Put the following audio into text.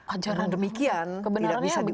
ajaran demikian tidak bisa diubah